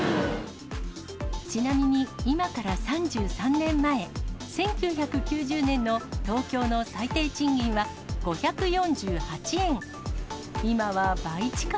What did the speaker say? ちなみに今から３３年前、１９９０年の東京の最低賃金は５４８円。